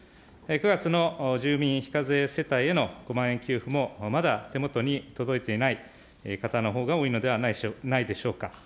９月の住民非課税世帯への５万円給付も、まだ手元に届いていない方のほうが多いのではないでしょうか。